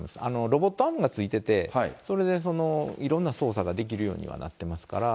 ロボットアームがついてて、それでいろんな操作ができるようにはなってますから。